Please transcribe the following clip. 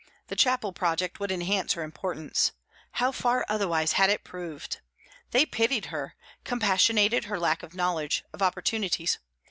The chapel project would enhance her importance. How far otherwise had it proved! They pitied her, compassionated her lack of knowledge, of opportunities.